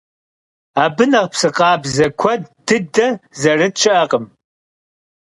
Abı nexh psı khabze kued dıde zerıt şı'ekhım.